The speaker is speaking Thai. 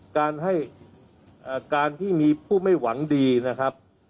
การให้การที่มีผู้ไม่หวังดีนะครับ